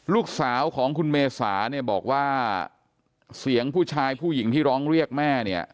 ลูกสาวของคุณเมษาเนี่ยบอกว่าเสียงผู้ชายผู้หญิงที่ร้องเรียกแม่เนี่ย